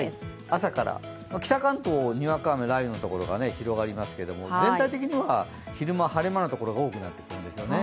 朝から、北関東はにわか雨、雷雨の所が広がりますけれども、全体的には昼間、晴れ間の所が多くなりますね。